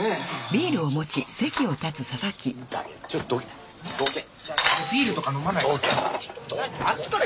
ビールとか飲まないから。